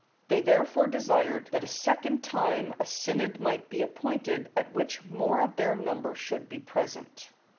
They therefore desired that a second time a synod might be appointed, at which more of their number should be present.